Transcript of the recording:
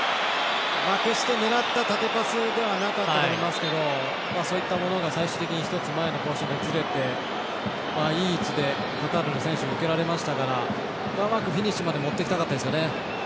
決して狙った縦パスではなかったと思いますけどそういったものが最終的に一つ前のポジションにずれていい位置で、カタールの選手が受けられましたからうまくフィニッシュまでもっていきたかったですよね。